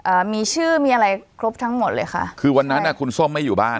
อ่ามีชื่อมีอะไรครบทั้งหมดเลยค่ะคือวันนั้นอ่ะคุณส้มไม่อยู่บ้าน